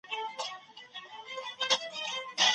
علامه رشاد د کندهار د فرهنګي میراث یو لوی نوم دی.